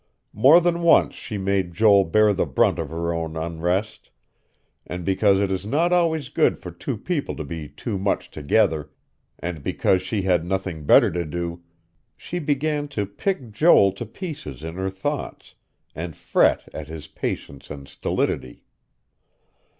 More than once she made Joel bear the brunt of her own unrest; and because it is not always good for two people to be too much together, and because she had nothing better to do, she began to pick Joel to pieces in her thoughts, and fret at his patience and stolidity.